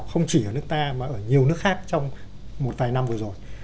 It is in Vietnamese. không chỉ ở nước ta mà ở nhiều nước khác trong một vài năm vừa rồi